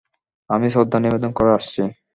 আমি শ্রদ্ধা নিবেদন করে আসছি।